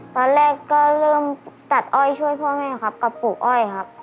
ตอนแรกก็เริ่มตัดอ้อยช่วยพ่อแม่ครับกับปลูกอ้อยครับ